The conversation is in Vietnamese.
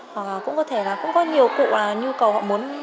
hoặc cũng có thể là cũng có nhiều cụ là nhu cầu họ muốn